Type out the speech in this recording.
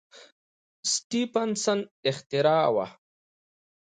سټېفنسن اختراع وه.